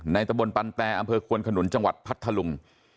ตะบนปันแตอำเภอควนขนุนจังหวัดพัทธลุง